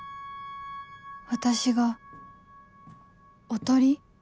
私がおとり？